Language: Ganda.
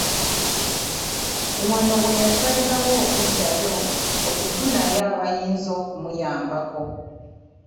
Wano we yasalirawo okuddayo okufunayo abayinza okumuyambako.